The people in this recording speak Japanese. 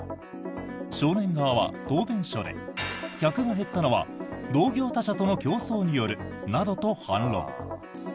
少年側は答弁書で客が減ったのは同業他社との競争によるなどと反論。